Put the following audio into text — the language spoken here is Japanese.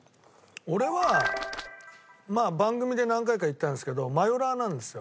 俺はまあ番組で何回か言ったんですけどマヨラーなんですよ。